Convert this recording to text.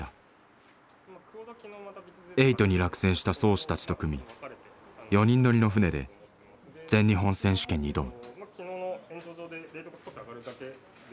「エイト」に落選した漕手たちと組み４人乗りの船で全日本選手権に挑む。